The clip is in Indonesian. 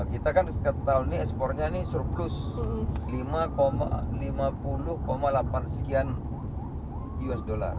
kita kan seketahunya ekspornya surplus lima puluh delapan sekian us dollar